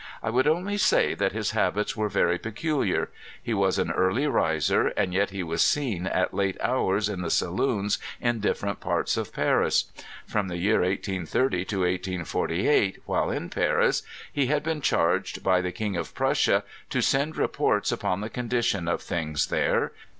I would only say that his habits were very peculiar. He was an early riser, and yet he was seen at late hours in the saloons in differ ent parts of Paris. From the year 1880 to 1848, while in Paris, he had been charged by the King of Prussia to send reports upon the condition of things there.